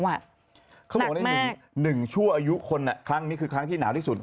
เขาบอกว่าในหนึ่งชั่วอายุคนครั้งนี้คือครั้งที่หนาวที่สุด